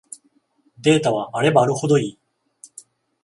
データはあればあるほどいい